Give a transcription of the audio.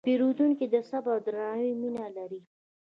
پیرودونکی د صبر او درناوي مینه لري.